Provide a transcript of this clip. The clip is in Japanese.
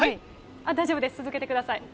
大丈夫です、続けてください。